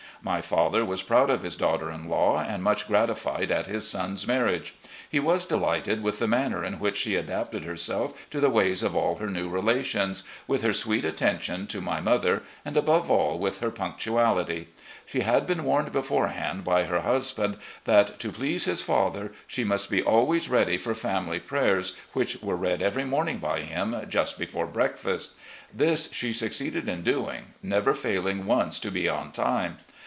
My father was proud of his daughter in law and much gratified at his son's marriage. He was delighted with the manner in which she adapted herself to the ways of all her new relations, with her sweet attention to my mother, and, above all, with her pimcttiality. She had been warned beforehand by her husband that, to please his father, she must be always ready for family prayers, which were read every morning by him just before breakfast. This she succeeded in doing, never failing once to be on time.